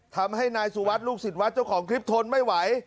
ทำให้นายสุวัสดิลูกศิษย์วัดเจ้าของคลิปทนไม่ไหว